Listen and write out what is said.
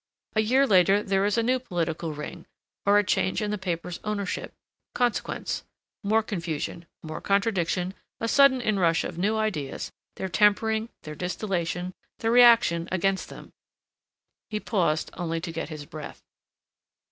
A year later there is a new political ring or a change in the paper's ownership, consequence: more confusion, more contradiction, a sudden inrush of new ideas, their tempering, their distillation, the reaction against them—" He paused only to get his breath.